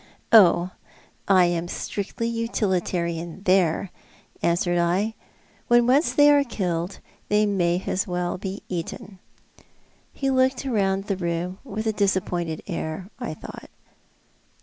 "Oh, I am strictly utilitarian there," answered I; "when once they are killed they may as well be eaten." He looked round the room with a disapi3ointed air, I thought.